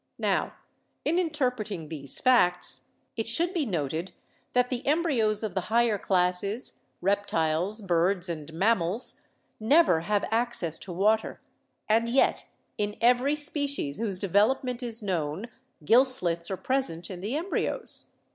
Now, in interpreting these facts, it should be noted that the embryos of the higher classes, reptiles, birds and mammals, never have access to water and yet in every species whose development is known gill slits are present in the embryos.